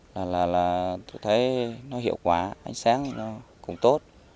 thứ nhất là tôi thấy nó hiệu quả ánh sáng nó cũng tốt